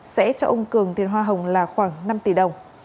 sẽ cho ông cường tiền hoa hồng là khoảng năm tỷ đồng